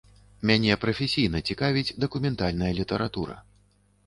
Мяне прафесійна цікавіць дакументальная літаратура.